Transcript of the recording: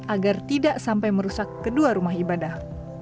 agar tidak sampai merusak kedua rumah ibadah